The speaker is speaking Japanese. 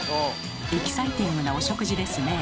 エキサイティングなお食事ですね。